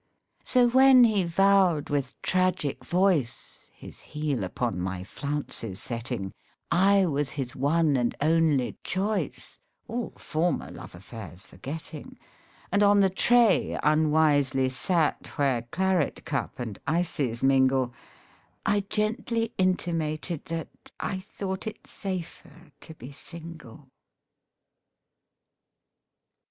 So when he vowed with tragic voice, His heel upon my flounces setting, I was his one and only choice (All former love affairs forgetting) And on the tray unwisely sat Where claret cup and ices mingle, I gently intimated that I thought it safer to be single.